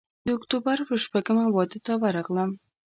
د اکتوبر پر شپږمه واده ته ورغلم.